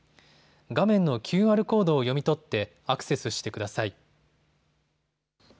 画面のＱＲコードを読み取ってアクセスしてください。